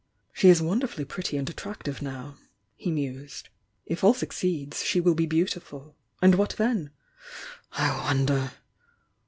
"She is wonderfully pretty and attractive now," he mused. "If all succeeds she will be beautiful. And what then? I wonder!